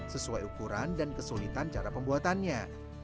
sesuai ukuran dan kesulitan cara pembuatannya